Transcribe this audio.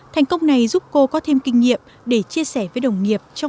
thành công này giúp cô có thêm kinh nghiệm để chia sẻ với đồng nghiệp trong